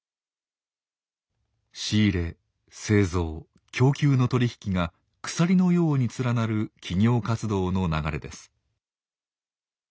仕入れ製造供給の取り引きが鎖のように連なる企業活動の流れです。